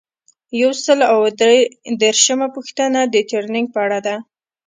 یو سل او درې دیرشمه پوښتنه د ټریننګ په اړه ده.